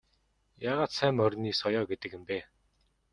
Яагаад сайн морины соёо гэдэг юм бэ?